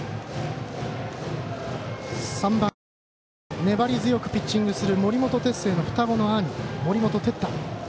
３番、粘り強くバッティングする森本哲星の双子の兄、森本哲太。